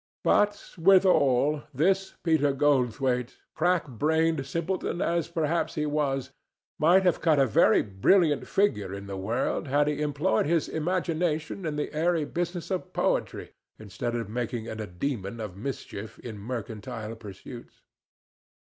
But, withal, this Peter Goldthwaite, crack brained simpleton as, perhaps, he was, might have cut a very brilliant figure in the world had he employed his imagination in the airy business of poetry instead of making it a demon of mischief in mercantile pursuits.